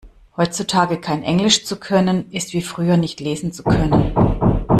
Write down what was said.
Heutzutage kein Englisch zu können ist wie früher nicht lesen zu können.